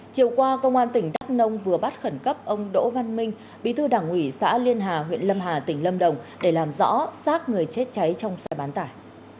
chiều qua công an tỉnh đắk nông vừa bắt khẩn cấp ông đỗ văn minh bí thư đảng ủy xã liên hà huyện lâm hà tỉnh lâm đồng để làm rõ sát người chết cháy trong xe bán tải